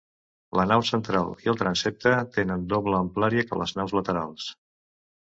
La nau central i el transsepte tenen doble amplària que les naus laterals.